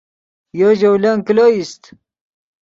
یو ژولن کلو ایست